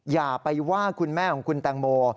อย่าไปว่าคุณแม่ของคุณแตงโม